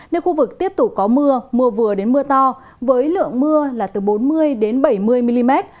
nơi khu vực tiếp tục có mưa mưa vừa đến mưa to với lượng mưa là từ bốn mươi đến bảy mươi mm